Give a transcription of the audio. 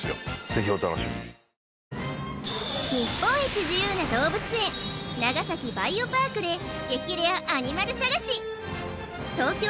ぜひお楽しみに日本一自由な動物園長崎バイオパークで激レアアニマル探し東京